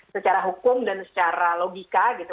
secara hukum dan secara logika gitu